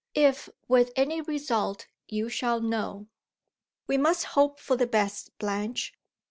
If with any result, you shall know." "We must hope for the best, Blanche.